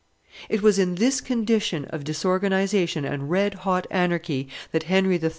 It was in this condition of disorganization and red hot anarchy that Henry III.